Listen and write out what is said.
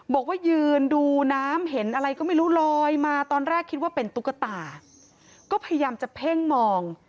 บอกว่ายืนดูน้ำเห็นอะไรก็ไม่รู้ลอยมาตอนแรกคิดว่าเป็นตุ๊กตาก็พยายามจะเพ่งมอง